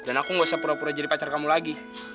dan aku gak usah pura pura jadi pacar kamu lagi